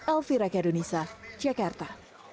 alfira khedonisa jakarta